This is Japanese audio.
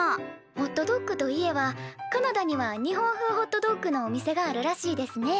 ホットドッグといえばカナダには日本風ホットドッグのお店があるらしいですね。